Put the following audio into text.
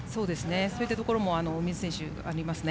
そういったところも梅津選手はありますね。